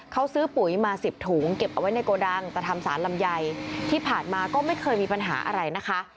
เขาซื้อปุ๋ยมาสิบถุงเก็บเอาไว้ในโกดังแต่ทำสารลำไยที่ผ่านมาก็ไม่เคยมีปัญหาอะไรนะคะ